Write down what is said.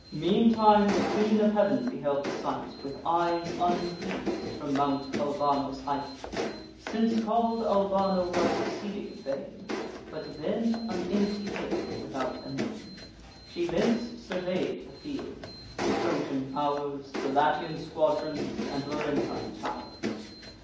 Meantime the Queen of Heav'n beheld the sight, With eyes unpleas'd, from Mount Albano's height (Since call'd Albano by succeeding fame, But then an empty hill, without a name). She thence survey'd the field, the Trojan pow'rs, The Latian squadrons, and Laurentine tow'rs.